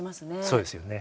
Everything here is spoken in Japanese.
そうですよね。